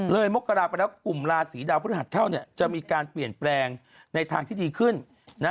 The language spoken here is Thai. มกราไปแล้วกลุ่มราศีดาวพฤหัสเข้าจะมีการเปลี่ยนแปลงในทางที่ดีขึ้น